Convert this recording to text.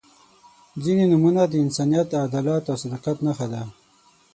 • ځینې نومونه د انسانیت، عدالت او صداقت نښه ده.